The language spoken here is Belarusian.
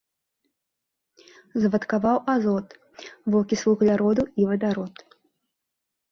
Звадкаваў азот, вокіс вугляроду і вадарод.